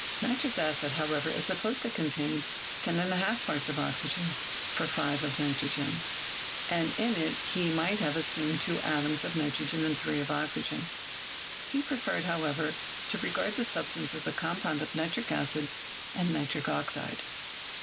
Nitrous acid, however, is supposed to contain loyi parts of oxygen for 5 of nitrogen, and in it he might have assumed two atoms of nitrogen and three of oxygen. He preferred, however, to regard this substance as a compound of nitric acid and nitric oxide.